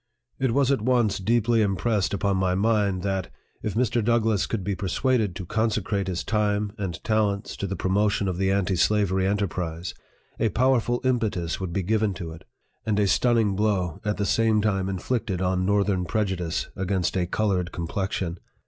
It was at once deeply impressed upon my mind, that, if Mr. DOUGLASS could be persuaded to consecrate his time and talents to the promotion of the anti slavery enterprise, a powerful impetus would be given to it, and a stunning blow at the same time inflicted on northern prejudice against a colored complexion.